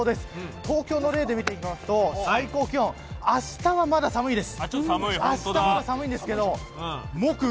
東京の例で見ていきますと最高気温あしたは、まだ寒いです。